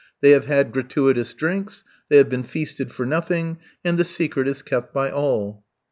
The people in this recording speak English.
They have had gratuitous drinks, they have been feasted for nothing, and the secret is kept by all.